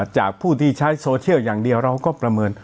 จากผู้ที่ใช้โซเชียลอย่างเดียวเราก็ประเมิน